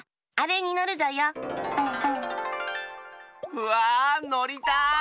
うわのりたい！